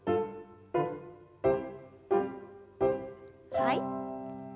はい。